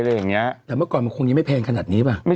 แล้วเมื่อก่อนมันคงยังไม่แพงขนาดนี้ป่ะ